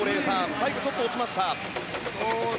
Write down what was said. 最後はちょっと落ちました。